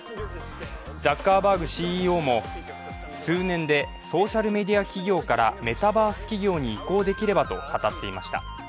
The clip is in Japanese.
ザッカーバーグＣＥＯも、数年でソーシャルメディア企業からメタバース企業に移行できればと語っていました。